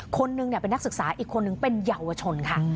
คนหนึ่งเป็นนักศึกษาอีกคนนึงเป็นเยาวชนค่ะ